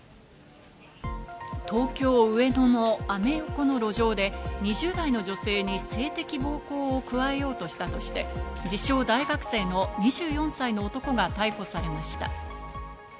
東京・上野のアメ横の路上で、２０代の女性に性的暴行を加えようとしたとして、自称大学生の２４歳の男が逮捕されました。